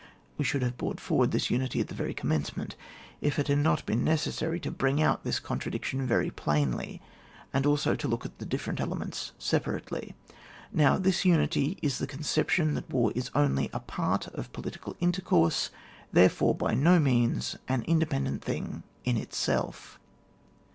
We should have brought forward this unity at the very commencement, if it had not been necessary to bring out this contra diction veiy plainly, and also to look at the difPerent elements separately. Now, this unity is the conception that war u only apart of politiealintercoursey therefore hy no means an independent thing in itself.